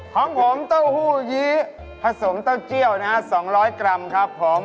ของผมเต้าหู้ยี้ผสมเต้าเจี้ยวนะฮะ๒๐๐กรัมครับผม